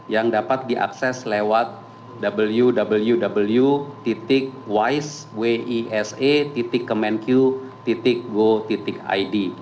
yang dapat diakses lewat www wise com id